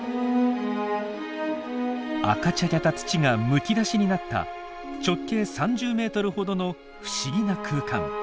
赤茶けた土がむき出しになった直径３０ｍほどの不思議な空間。